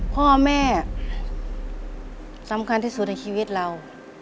พ่อแม่สำคัญที่สุดในชีวิตเรา